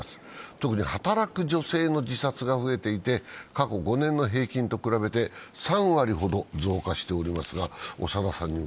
特に働く女性の自殺が増えていて、過去５年の平均と比べて３割ほど増加しています。